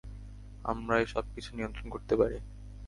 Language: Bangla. আমরাই সবকিছু নিয়ন্ত্রণ করতে পারি।